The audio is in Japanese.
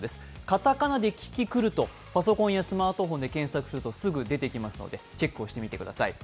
カタカナでキキクルとパソコンやスマートフォンで検索すると、すぐ出てきますのでチェックをしてみてください。